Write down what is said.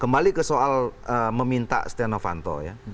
balik ke soal meminta stiano vanto ya